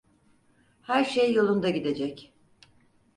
Her şey yolunda gidecek.